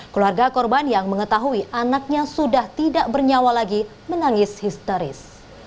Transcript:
keluarga korban yang mengetahui anaknya sudah tidak bernyawa lagi menangis histeris